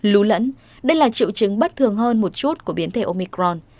lún lẫn đây là triệu chứng bất thường hơn một chút của biến thể omicron